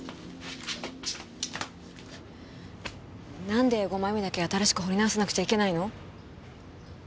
なんで５枚目だけ新しく彫り直さなくちゃいけないの？